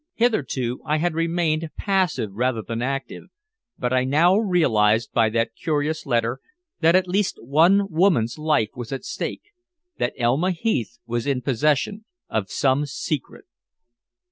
Hitherto I had remained passive rather than active, but I now realized by that curious letter that at least one woman's life was at stake that Elma Heath was in possession of some secret.